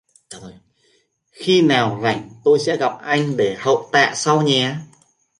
Khi nào rảnh tôi sẽ gặp anh để hậu tạ sau nhé